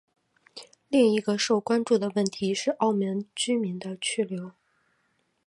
另一个受关注的问题是澳门居民的去留。